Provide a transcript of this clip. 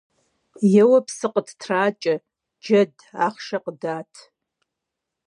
Еуэ псы къыттракӏэ, джэд, ахъшэ къыдат.